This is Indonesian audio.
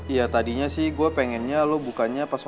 iya tadinya sih gue pengennya lo bukannya pasoknya